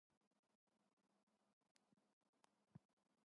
Tunji Oyelana's Which Way Africa is as intentionally political as a song can be.